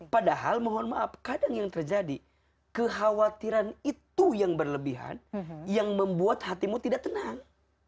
padahal mohon maaf kadang yang terjadi kekhawatiran itu yang berlebihan yang membuat hatimu tidak tenang